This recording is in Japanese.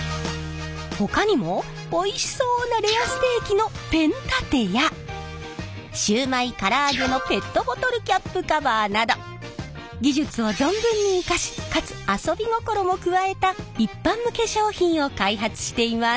ほかにもおいしそうなレアステーキのペン立てやシューマイから揚げのペットボトルキャップカバーなど技術を存分に生かしかつ遊び心も加えた一般向け商品を開発しています！